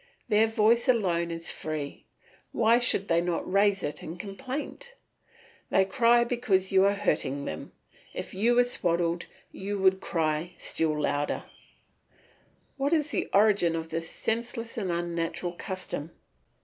Their voice alone is free; why should they not raise it in complaint? They cry because you are hurting them; if you were swaddled you would cry louder still. What is the origin of this senseless and unnatural custom?